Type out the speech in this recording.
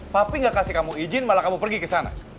papi gak kasih kamu izin malah kamu pergi ke sana